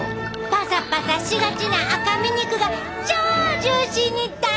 パサパサしがちな赤身肉が超ジューシーに大変身！